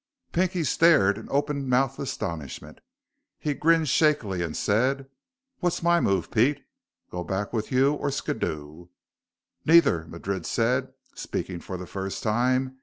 Pinky stared in open mouthed astonishment. He grinned shakily and said, "What's my move, Pete? Go back with you or skidoo?" "Neither," Madrid said, speaking for the first time.